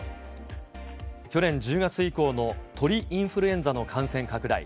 去年１０月以降の鳥インフルエンザの感染拡大。